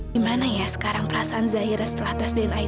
gimana ya sekarang perasaan zahira setelah tes dna itu dilakukan